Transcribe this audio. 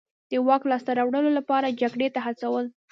د واک لاسته راوړلو لپاره جګړې ته هڅول.